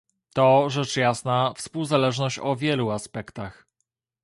To, rzecz jasna, współzależność o wielu aspektach